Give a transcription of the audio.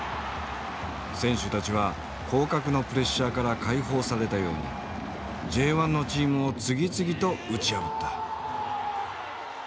選手たちは降格のプレッシャーから解放されたようにＪ１のチームを次々と打ち破った。